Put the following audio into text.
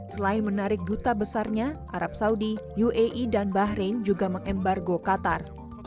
selain menarik duta besarnya arab saudi uae dan bahrain juga mengembargo qatar